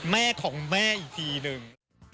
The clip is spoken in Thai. แม่ของแม่อีกทีหนึ่ง